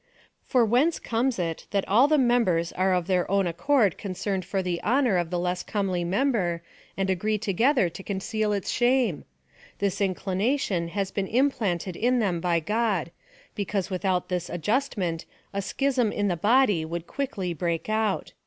" For whence comes it, that all the members are of their own accord concerned for the honour of a less comely member, and agree together to conceal its shame ? This inclination has been imj)lanted in them by God, because without this adjustment a schism in the body would quickly break out.